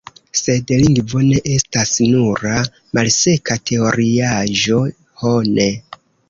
Sed lingvo ne estas nura malseka teoriaĵo, ho ne!